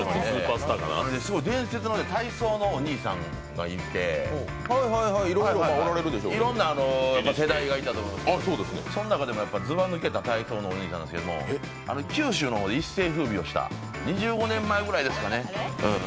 伝説の体操のお兄さんがいて、いろんな世代がいたと思うんですけどその中でも、ずば抜けた体操のお兄さんなんですけれども九州の方で一世風靡をした、２５年くらい前ですかね。